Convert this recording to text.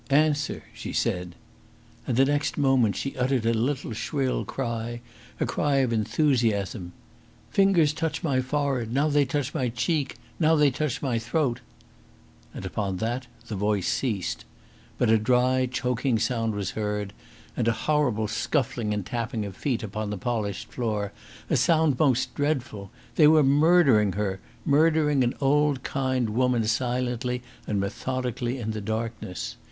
"Answer!" she said. And the next moment she uttered a little shrill cry a cry of enthusiasm. "Fingers touch my forehead now they touch my cheek now they touch my throat!" And upon that the voice ceased. But a dry, choking sound was heard, and a horrible scuffling and tapping of feet upon the polished floor, a sound most dreadful. They were murdering her murdering an old, kind woman silently and methodically in the darkness.